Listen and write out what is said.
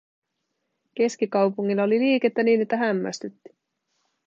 Keskikaupungilla oli liikettä niin, että hämmästytti.